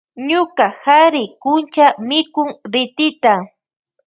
Ñuka kari kuncha mikun ritita.